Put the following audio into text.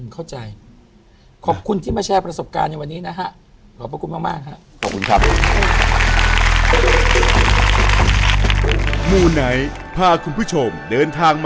เข้าใจขอบคุณที่มาแชร์ประสบการณ์ในวันนี้นะฮะขอบคุณมากครับ